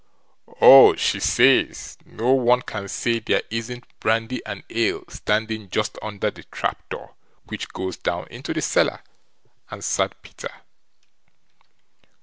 "Oh! she says no one can say there isn't brandy and ale standing just under the trap door which goes down into the cellar", answered Peter.